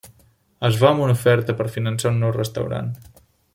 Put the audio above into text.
Es va amb una oferta per finançar un nou restaurant.